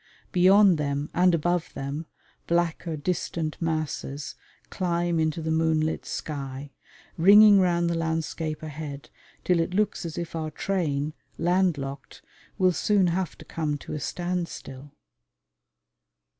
Beyond them and above them, blacker distant masses climb into the moonlit sky, ringing round the landscape ahead till it looks as if our train, land locked, will soon have to come to a standstill.